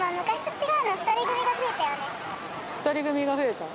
２人組が増えた？